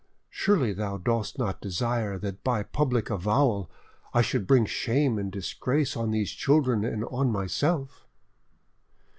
Surely thou dost not desire that by a public avowal I should bring shame and disgrace on these children and on myself."